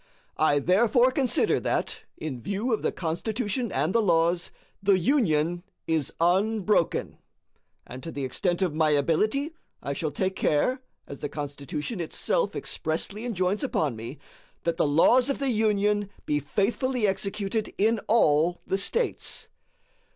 I therefore consider that, in view of the Constitution and the laws, the Union is unbroken; and to the extent of my ability I shall take care, as the Constitution itself expressly enjoins upon me, that the laws of the Union be faithfully executed in all the States.